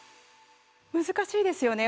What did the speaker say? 難しいですよね